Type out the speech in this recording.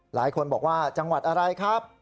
หลายคนบอกว่าจังหวัดอะไรครับ